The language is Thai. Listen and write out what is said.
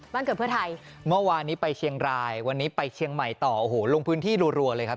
เกิดเพื่อไทยเมื่อวานนี้ไปเชียงรายวันนี้ไปเชียงใหม่ต่อโอ้โหลงพื้นที่รัวเลยครับ